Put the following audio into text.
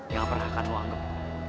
yang pernah akan lu anggap